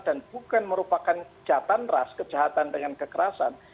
dan bukan merupakan jahatan ras kejahatan dengan kekerasan